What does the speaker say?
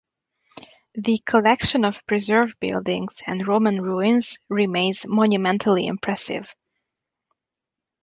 The collection of preserved buildings and Roman ruins remains monumentally impressive.